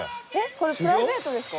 これプライベートですか？